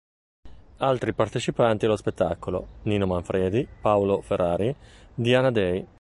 Altri partecipanti allo spettacolo: Nino Manfredi, Paolo Ferrari, Diana Dei.